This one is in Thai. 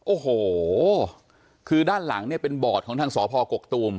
โอ้โหคือด้านหลังเนี่ยเป็นบอร์ดของทางสพกกตูม